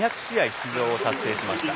出場を達成しました。